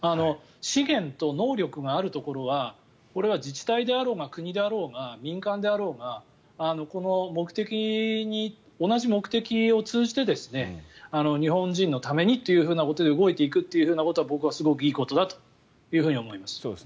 資源と能力があるところはこれは自治体であろうが国であろうが民間であろうがこの同じ目的を通じて日本人のためにということで動いていくということは僕はすごくいいことだと思います。